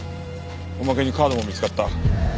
おまけにカードも見つかった。